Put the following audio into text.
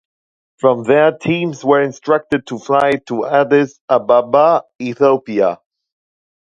From there, teams were instructed to fly to Addis Ababa, Ethiopia.